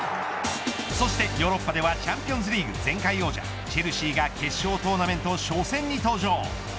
ヨーロッパではチャンピオンズリーグ前回王者チェルシーが決勝トーナメント初戦に登場。